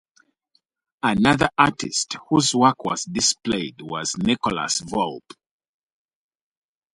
Another artist whose work was displayed was Nicholas Volpe.